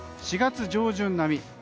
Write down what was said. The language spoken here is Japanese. ４月上旬並み。